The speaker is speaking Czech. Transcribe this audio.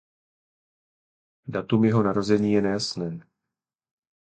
Datum jeho narození je nejasné.